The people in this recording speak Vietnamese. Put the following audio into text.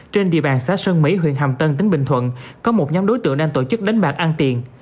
trên địa bàn xã sơn mỹ huyện hàm tân tỉnh bình thuận có một nhóm đối tượng đang tổ chức đánh bạc an tiền